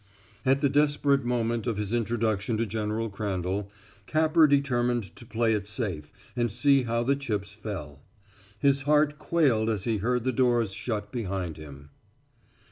At the desperate moment of his introduction to General Crandall, Capper determined to play it safe and see how the chips fell. His heart quailed as he heard the doors shut behind him.